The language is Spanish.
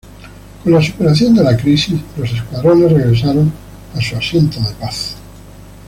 Con la superación de la crisis, los escuadrones regresaron a su asiento de paz.